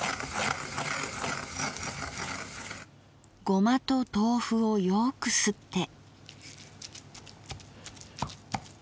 ゴマと豆腐をよくすって。